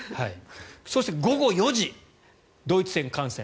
そして、午後４時ドイツ戦観戦。